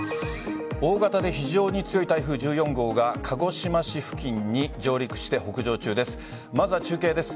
大型で非常に強い台風１４号が鹿児島市付近に上陸して北上中です。